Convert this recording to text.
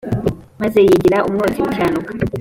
maze yigira umwotsi ukiranuka